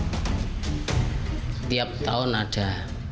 setiap tahun ada